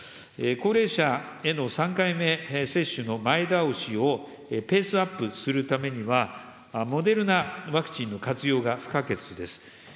高齢者への３回目接種の前倒しをペースアップするためには、モデルナワクチンの活用が不可欠です。